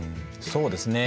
そうですね。